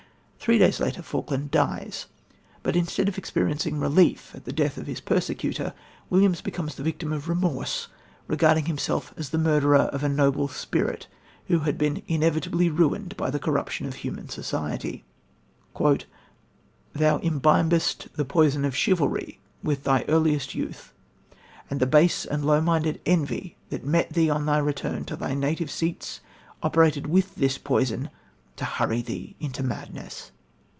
Three days later Falkland dies, but instead of experiencing relief at the death of his persecutor, Williams becomes the victim of remorse, regarding himself as the murderer of a noble spirit, who had been inevitably ruined by the corruption of human society: "Thou imbibedst the poison of chivalry with thy earliest youth, and the base and low minded envy that met thee on thy return to thy native seats, operated with this poison to hurry thee into madness."